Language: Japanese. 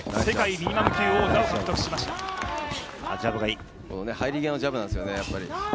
入り際のジャブなんですよね、やっぱり。